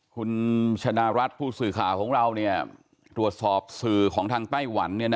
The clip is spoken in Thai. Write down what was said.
คุณชนะรัฐผู้สื่อข่าวของเราตรวจสอบสื่อของทางไต้หวัน